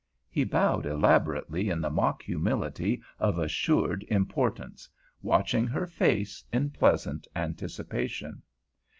He bowed elaborately in the mock humility of assured importance, watching her face in pleasant anticipation.